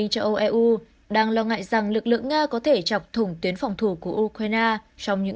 châu âu eu đang lo ngại rằng lực lượng nga có thể chọc thủng tuyến phòng thủ của ukraine trong những